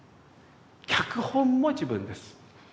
脚本も自分です。